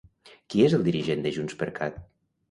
Qui és el dirigent de JXCat?